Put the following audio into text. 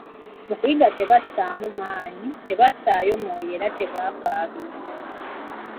Mu kuyiga tebassaamu maanyi, tebassaayo mwoyo era tebafaabiina.